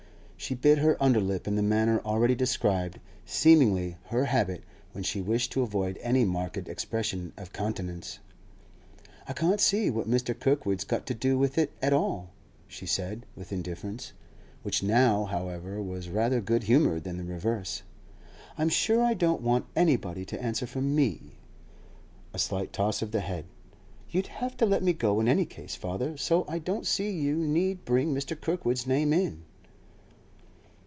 She bit her under lip in the manner already described, seemingly her habit when she wished to avoid any marked expression of countenance. 'I can't see what Mr. Kirkwood's got to do with it at all,' she said, with indifference, which now, however, was rather good humoured than the reverse. 'I'm sure I don't want anybody to answer for me.' A slight toss of the head. 'You'd have let me go in any case, father; so I don't see you need bring Mr. Kirkwood's name in.